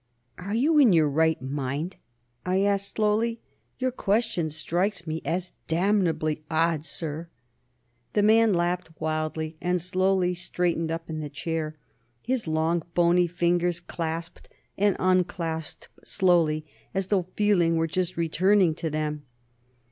"Are you in your right mind?" I asked slowly. "Your question strikes me as damnably odd, sir." The man laughed wildly, and slowly straightened up in the chair. His long, bony fingers clasped and unclasped slowly, as though feeling were just returning to them.